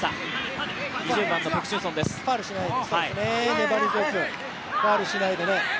粘り強くファウルしないでね。